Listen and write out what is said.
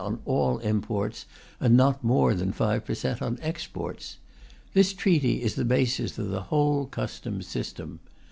on all imports and not more than 5 per cent on exports. This treaty is the basis of the whole Customs system.